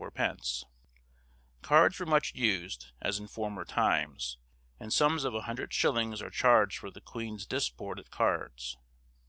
_ Cards were much used, as in former times, and sums of a hundred shillings are charged for the queen's "disporte at cardes."